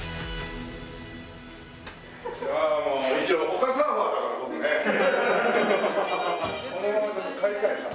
このままちょっと帰りたいな。